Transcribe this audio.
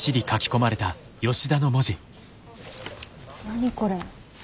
何これ。